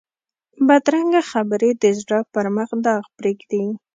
بدرنګه خبرې د زړه پر مخ داغ پرېږدي